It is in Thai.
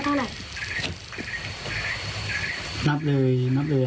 ๖คำตอบได้เท่าไร